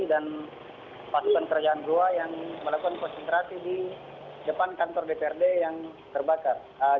dan pasukan kerjaan goa yang melakukan konsentrasi di depan kantor dprd yang terbakar